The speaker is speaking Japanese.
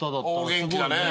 お元気だね。